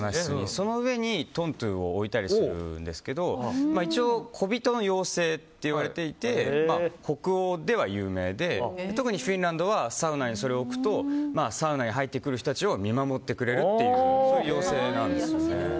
その上にトントゥを置いたりするんですけど一応、小人の妖精といわれていて北欧では有名で特にフィンランドはサウナにそれを置くとサウナに入ってくる人たちを見守ってくれるという妖精なんです。